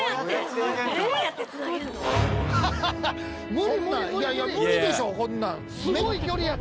無理でしょこんなん！